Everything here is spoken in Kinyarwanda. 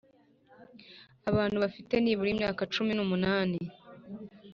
Abantu bafite nibura imyaka cumi n’umunani